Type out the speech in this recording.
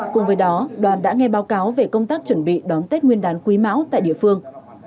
cùng với đó đoàn đã nghe báo cáo về công tác chuẩn bị đón tết nguyên đán quý mão tại địa phương